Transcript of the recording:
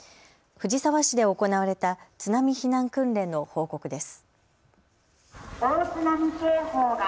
藤沢市で行われた津波避難訓練の報告です。